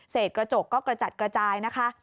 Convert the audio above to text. กระจกก็กระจัดกระจายนะคะ